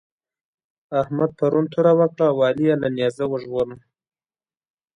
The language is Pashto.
احمد پرون توره وکړه او علي يې له نېزه وژغوره.